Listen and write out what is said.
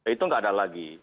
itu tidak ada lagi